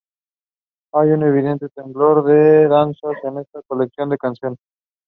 He researched and published prolifically in all aspects of child social development.